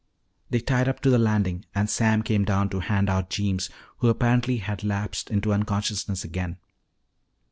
They tied up to the landing and Sam came down to hand out Jeems who apparently had lapsed into unconsciousness again.